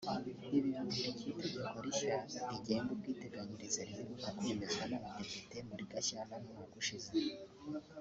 Ibi bikurikiye itegeko rishya rigenga ubwiteganyirize riheruka kwemezwa n’abadepite muri Gashyantare umwaka ushize